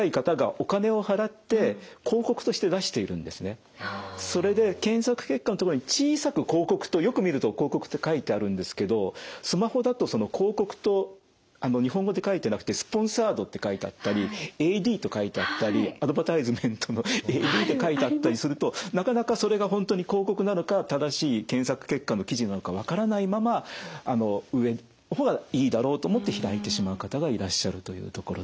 実はそのそれで検索結果のとこに小さく「広告」とよく見ると「広告」と書いてあるんですけどスマホだと「広告」と日本語で書いてなくて「Ｓｐｏｎｓｏｒｅｄ」って書いてあったり「ＡＤ」と書いてあったりアドバタイズメントの「ＡＤ」って書いてあったりするとなかなかそれが本当に広告なのか正しい検索結果の記事なのか分からないまま上の方がいいだろうと思って開いてしまう方がいらっしゃるというところです。